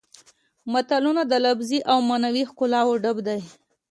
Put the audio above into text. متلونه د لفظي او معنوي ښکلاوو ډک دي